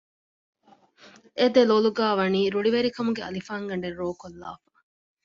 އެދޮލޮލުގައި ވަނީ ރުޅިވެރިކަމުގެ އަލިފާން ގަނޑެއް ރޯކޮށްލާފަ